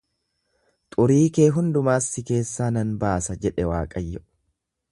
Xurii kee hundumaas si keessaa nan baasa jedhe Waaqayyo.